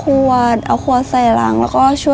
รับทุนไปต่อชีวิตสุดหนึ่งล้อนบอส